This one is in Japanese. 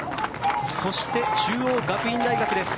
そして中央学院大学です。